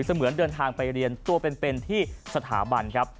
เหมือนเดินทางไปเรียนตัวเป็นที่สถาบันครับ